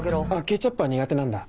ケチャップは苦手なんだ。